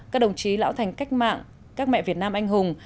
các đồng chí lão thành cách mạng các mẹ việt nam anh hùng